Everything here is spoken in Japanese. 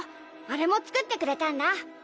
あれも作ってくれたんだ